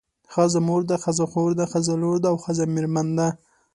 ښځه مور ده ښځه خور ده ښځه لور ده او ښځه میرمن ده.